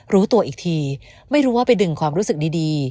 รู้ตัวอีกทีไม่รู้ว่าไปดึงความรู้สึกดี